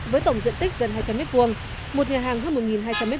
với tổng diện tích gần hai trăm linh m hai một nhà hàng hơn một hai trăm linh m hai